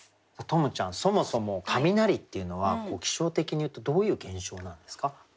十夢ちゃんそもそも雷っていうのは気象的に言うとどういう現象なんですか？